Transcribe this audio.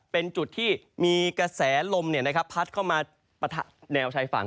เป็นจุดที่มีกระแสลมพัดเข้ามาปะทะแนวชายฝั่ง